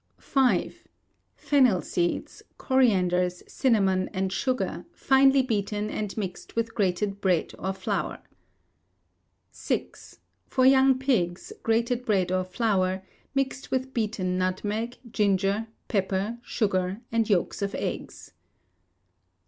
v. Fennel seeds, corianders, cinnamon, and sugar, finely beaten and mixed with grated bread or flour. vi. For young pigs, grated bread or flour, mixed with beaten nutmeg, ginger, pepper, sugar, and yolks of eggs.